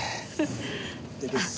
いただきます。